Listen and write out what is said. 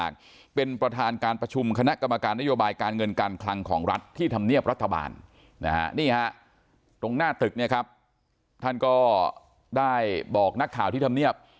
การคลั่งของรัฐที่ทำเนียบรัฐบาลตรงหน้าตึกท่านก็ได้บอกนักข่าวที่ทำเนียบ